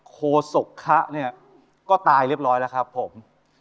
โคซค้นะเขาก็ตายเรียบร้อยแล้วครับผม